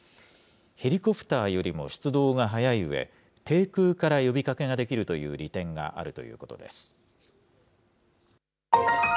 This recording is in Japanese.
ヘリコプターよりも出動が早いうえ、低空から呼びかけができるという利点があるということです。